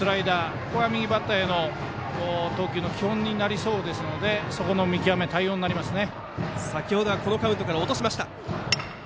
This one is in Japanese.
ここは右バッターへの投球の基本になりそうですのでそこの見極め、対応になりますね。